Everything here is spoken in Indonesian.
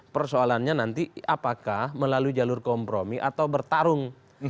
persoalannya nanti apakah melalui jalur kompromi atau bertarung